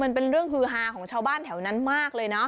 มันเป็นเรื่องฮือฮาของชาวบ้านแถวนั้นมากเลยนะ